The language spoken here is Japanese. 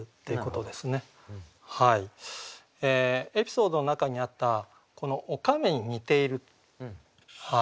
エピソードの中にあったこの「おかめに似ている」。